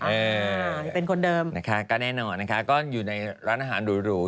เป็นคนเดิมนะคะก็แน่นอนนะคะก็อยู่ในร้านอาหารหรูหรู